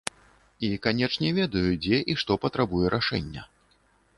І канечне ведаю, дзе і што патрабуе рашэння.